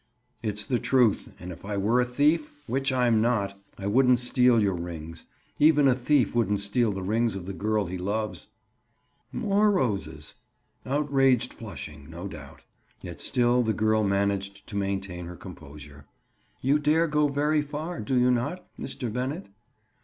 "It's the truth. And if I were a thief—which I'm not—I wouldn't steal your rings. Even a thief wouldn't steal the rings of the girl he loves." More roses! Outraged flushing, no doubt! Yet still the girl managed to maintain her composure. "You dare go very far, do you not, Mr. Bennett?"